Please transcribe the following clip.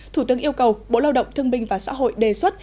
thủ tướng yêu cầu bộ lao động thương binh và xã hội đề xuất